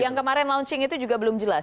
yang kemarin launching itu juga belum jelas